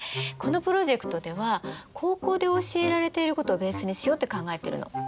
このプロジェクトでは高校で教えられていることをベースにしようって考えてるの。